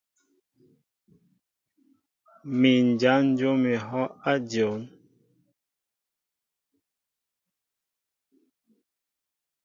Mi n jan jǒm ehɔʼ a dyɔn.